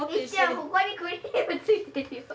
ここにクリームついてるよ。